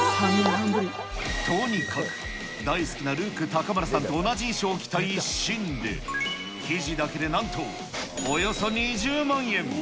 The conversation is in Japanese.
とにかく大好きなルーク篁さんと同じ衣装を着たい一心で、生地だけでなんとおよそ２０万円。